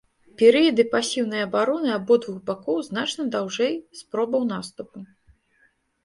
Перыяды пасіўнай абароны абодвух бакоў значна даўжэй спробаў наступу.